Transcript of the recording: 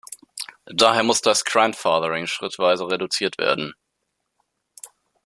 Daher muss das grandfathering schrittweise reduziert werden.